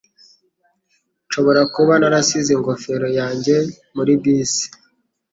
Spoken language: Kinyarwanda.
Nshobora kuba narasize ingofero yanjye muri bisi.